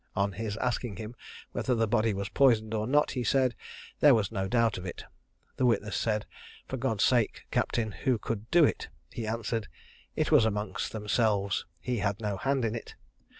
On his asking him whether the body was poisoned or not, he said, "There was no doubt of it." The witness said, "For God's sake, captain, who could do it?" He answered, "It was amongst themselves; he had no hand in it."